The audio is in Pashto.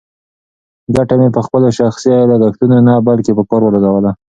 ګټه مې په خپلو شخصي لګښتونو نه، بلکې په کار ولګوله.